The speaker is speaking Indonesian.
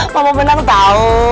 mamah menang tau